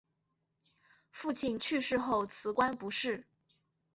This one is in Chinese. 父亲去世后辞官不仕。